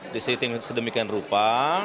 disiting sedemikian rupa